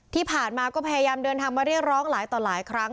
ที่ผ่านมาก็พยายามเดินทางมาเรียกร้องหลายต่อหลายครั้ง